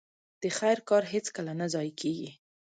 د خير کار هيڅکله نه ضايع کېږي.